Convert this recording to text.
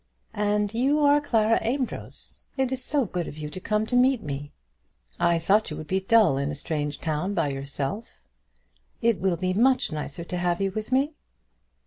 "And you are Clara Amedroz? It is so good of you to come to meet me!" "I thought you would be dull in a strange town by yourself." "It will be much nicer to have you with me."